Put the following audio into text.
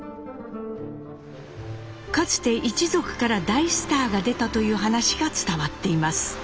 かつて一族から大スターが出たという話が伝わっています。